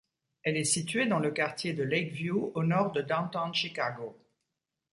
Elle est située dans le quartier de Lakeview au nord de Downtown Chicago.